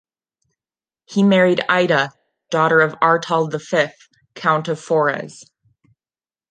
He married Ida, daughter of Artald V, Count of Forez.